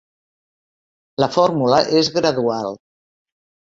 La fórmula és gradual.